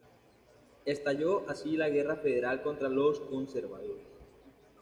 Estalló así la Guerra Federal contra los conservadores.